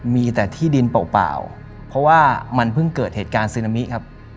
มีแต่ที่ดินเปล่าเพราะว่ามันเพิ่งเกิดเหตุการณ์ซึนามิครับ